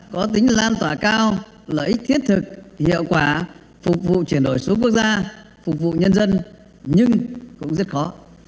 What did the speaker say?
có tính lan tỏa cao lợi ích thiết thực hiệu quả phục vụ chuyển đổi số quốc gia phục vụ nhân dân nhưng cũng rất khó